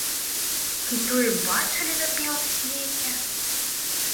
Ці тое бачылі на белым свеце!